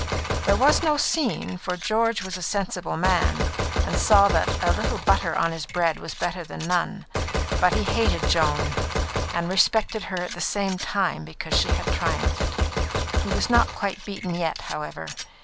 There was no scene, for George was a sensible man, and saw that a little butter on his bread was better than none. But he hated Joan, and respected her at the same time because she had triumphed. He was not quite beaten yet, however.